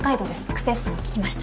家政婦さんに聞きました。